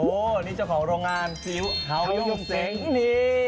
โอ้นี่เจ้าของโรงงานซีอิ๊วเฮายุงเซ็งนี่